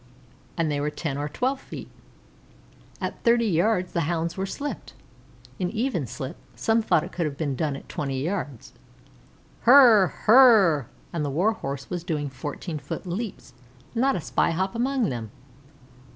and they were ten or twelve feet. At thirty yards the Hounds were slipped an even slip; some thought it could have been done at twenty yards. "Hrrrrrr! Hrrrrrrr!" and the Warhorse was doing fourteen foot leaps, not a spy hop among them.